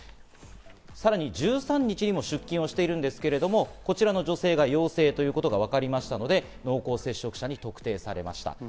さらに１３日にも出勤しているんですけれども、こちらの女性が陽性ということがわかりましたので、濃厚接触者に特定されました。